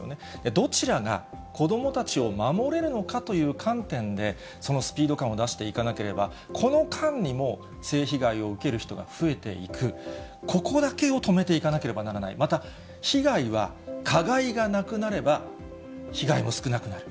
どちらが子どもたちを守れるのかという観点で、そのスピード感を出していかなければ、この間にも、性被害を受ける人が増えていく、ここだけを止めていかなければならない、また、被害は加害がなくなれば被害も少なくなる。